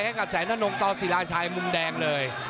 ให้กับแสนทะนกต่อสิราชัยมุมแดงเลย